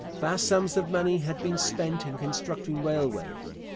Vast sums of money had been spent in constructing railways.